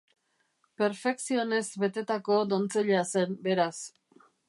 Perfekzionez betetako dontzeila zen, beraz.